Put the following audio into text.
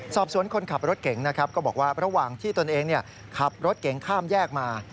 สอบสวนคนขับรถเก่งนะครับก็บอกว่าระหว่างที่ตนเองขับรถเก๋งข้ามแยกมา